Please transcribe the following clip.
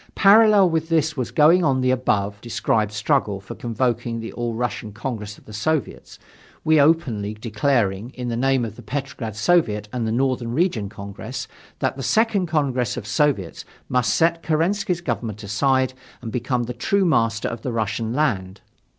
Parallel with this was going on the above described struggle for convoking the All Russian Congress of Soviets we, openly declaring, in the name of the Petrograd Soviet and the Northern Region Congress, that the Second Congress of Soviets must set Kerensky's government aside and become the true master of the Russian land.